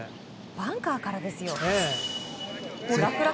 バンカーからですよ。